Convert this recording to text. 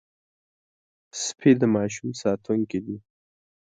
سپي د ماشوم ساتونکي دي.